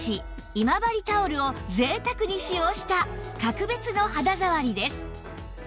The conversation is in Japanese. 今治タオルを贅沢に使用した格別の肌触りです